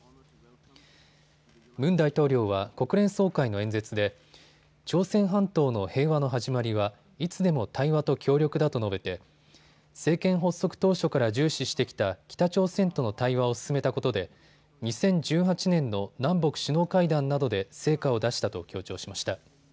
ムン大統領は国連総会の演説で朝鮮半島の平和の始まりはいつでも対話と協力だと述べて政権発足当初から重視してきた北朝鮮との対話を進めたことで２０１８年の南北首脳会談などで成果を出したと強調しました。